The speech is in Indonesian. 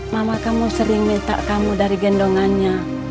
mama kamu sering minta kamu dari gendongannya